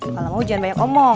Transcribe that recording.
kalau mau hujan banyak omong